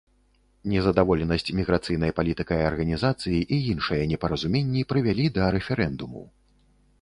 Незадаволенасць міграцыйнай палітыкай арганізацыі і іншыя непаразуменні прывялі да рэферэндуму.